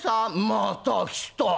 「また来た！